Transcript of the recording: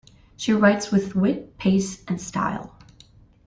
She writes with wit, pace and style.